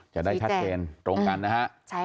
จะได้ชัดเกณฑ์ตรงกันนะครับ